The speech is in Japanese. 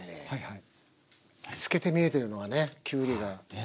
透けて見えてるのがねきゅうりが。